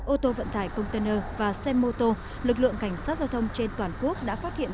ô tô vận tải container và xe mô tô lực lượng cảnh sát giao thông trên toàn quốc đã phát hiện